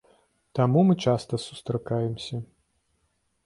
Таму мы часта сустракаемся.